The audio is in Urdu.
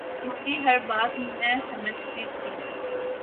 اس کی ہر بات میں سمجھتی تھی